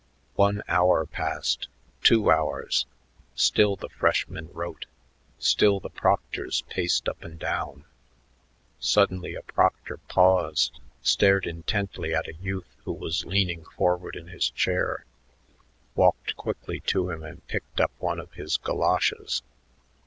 One hour passed, two hours. Still the freshmen wrote; still the proctors paced up and down. Suddenly a proctor paused, stared intently at a youth who was leaning forward in his chair, walked quickly to him, and picked up one of his goloshes.